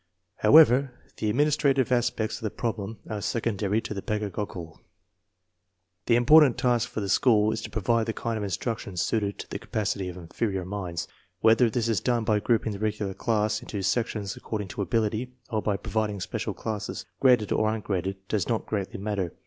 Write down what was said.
How ever, the administrative aspects of the problem are secondary to the pedagogical. The important task for the school is to provide the kind of instruction suited to the capacity of inferior minds. Whether this is done by grouping the regular class into sections according to ability, or by providing special classes, graded or ungraded, does not greatly matter.